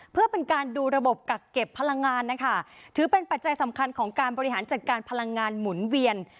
เพื่อเป็นการดูระบบกักเก็บพลังงานนะคะถือเป็นปัจจัยสำคัญของการบริหารจัดการพลังงานหมุนเวียน